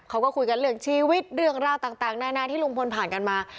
เขาก็คุยกันเรื่องชีวิตเรื่องราวต่างนานาที่ลุงพลผ่านกันมา